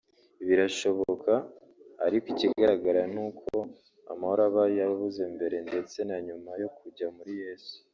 Birashoboka ariko ikigaragara ni uko amahoro aba yabuze mbere ndetse na nyuma yo kujya muri Yesu